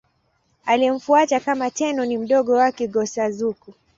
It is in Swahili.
Aliyemfuata kama Tenno ni mdogo wake, Go-Suzaku.